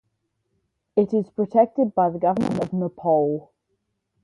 It is protected by the government of Nepal.